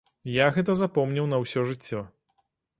Я гэта запомніў на ўсё жыццё.